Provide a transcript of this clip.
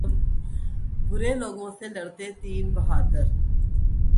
برے لوگوں سے لڑتے تین بہادر